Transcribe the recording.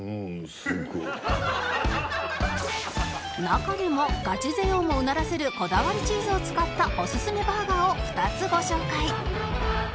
中でもガチ勢をもうならせるこだわりチーズを使ったオススメバーガーを２つご紹介